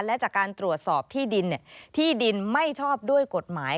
และจากการตรวจสอบที่ดินที่ดินไม่ชอบด้วยกฎหมาย